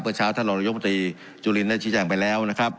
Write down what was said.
เปิดเช้าท่านรัฐยกษ์มันตรีจุลินรัฐชิจังไปแล้วนะครับ